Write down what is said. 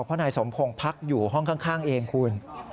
เพราะนายสมพงศ์พักอยู่ห้องข้างเองคุณ